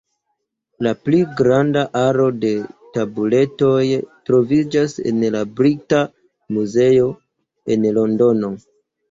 La pli granda aro de tabuletoj troviĝas en la Brita Muzeo, en Londono.